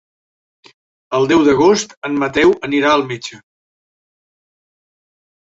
El deu d'agost en Mateu anirà al metge.